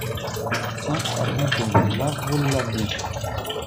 cinq avenue de Lavelanet